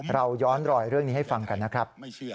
เราย้อนรอยเรื่องนี้ให้ฟังกันนะครับ